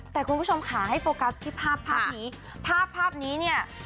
แต่คุณผู้ชมค่ะให้โฟกัสที่ภาพภาพนี้ภาพภาพนี้เนี่ย